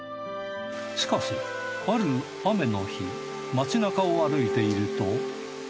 しかしある雨の日町なかを歩いていると。